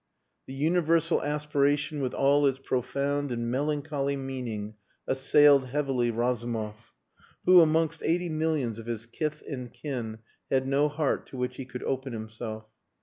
The universal aspiration with all its profound and melancholy meaning assailed heavily Razumov, who, amongst eighty millions of his kith and kin, had no heart to which he could open himself.